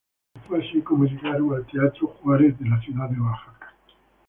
Y fue así como llegaron al teatro Juárez de la Ciudad de Oaxaca.